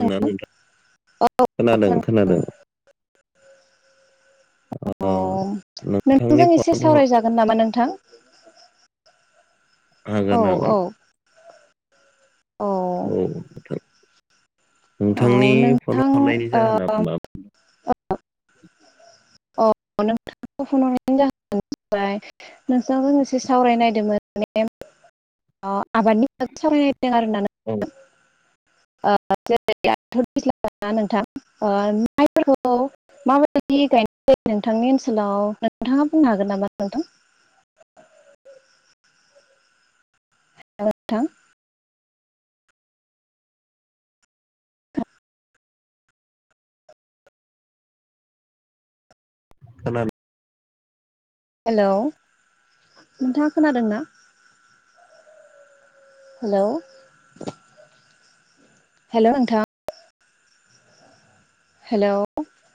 [unintelligible] औ नोंथां खोनादों खोनादों अ ओ नोंथांनि नोंथांजों एसे फन ह सावरायजागोन नामा नोंथां। औ हागोन औ हागोन। औ। औ नोंथांनि फन नोंथां हरनायनि जाहोना मामोन। अ नोंथाखौ फन हरनायनि [unintelligible] ओमफ्राय नोंथांजों एसे सावरायनायदोंमोन माने। आबादनि सायाव सावरायनायदों आरोना औ नोंथां। जेरै दाथ दैज्लांना नोंथां माइफोरखौ। माबायदि गायनाय जायो नोंथांनि ओनसोलाव नोंथाङा बुंनो हागोन नामा नोंथां। [inaudible] हेलौ नोंथां। [unintelligible] हेलौ नोंथाङा खोनादोंना। हेलौ हेल' नोंथां। हेलौ।